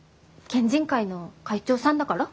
県人会の会長さんだから？